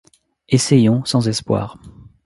Essayons, sans espoir.